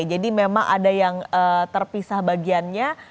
jadi memang ada yang terpisah bagiannya